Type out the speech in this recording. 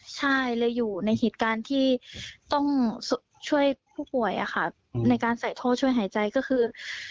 ใช่เลยอยู่ในเหตุการณ์ที่ต้องช่วยผู้ป่วยอะค่ะในการใส่ท่อช่วยหายใจก็คือ